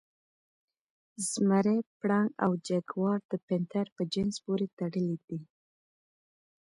زمری، پړانګ او جګوار د پینتر په جنس پورې تړلي دي.